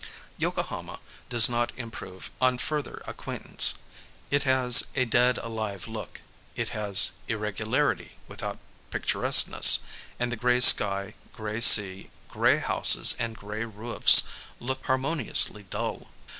Yokohama does not improve on further acquaintance. It has a dead alive look. It has irregularity without picturesqueness, and the grey sky, grey sea, grey houses, and grey roofs, look harmoniously dull.